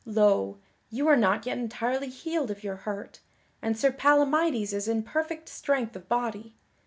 Lo, you are not yet entirely healed of your hurt, and Sir Palamydes is in perfect strength of body.